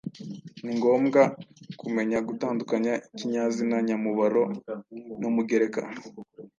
Ni ngombwa kumenya gutandukanya ikinyazina nyamubaro n’umugereka